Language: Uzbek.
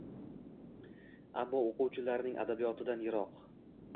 Ammo o‘quvchilarning adabiyotdan yiroq.